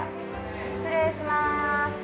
失礼します。